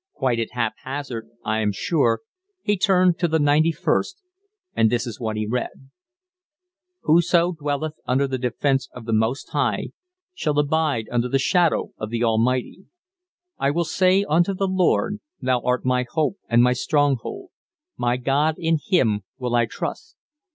Quite at haphazard, I am sure, he turned to the ninety first, and this is what he read: "Whoso dwelleth under the defence of the Most High; shall abide under the shadow of the Almighty. "I will say unto the Lord, Thou art my hope, and my stronghold: my God, in him will I trust.